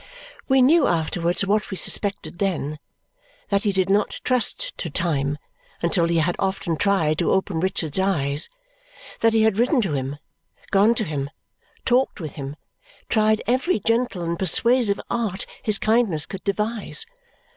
We knew afterwards what we suspected then, that he did not trust to time until he had often tried to open Richard's eyes. That he had written to him, gone to him, talked with him, tried every gentle and persuasive art his kindness could devise.